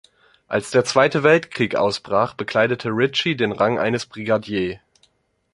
Als der Zweite Weltkrieg ausbrach, bekleidete Ritchie den Rang eines Brigadier.